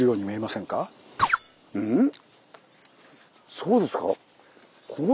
そうですか？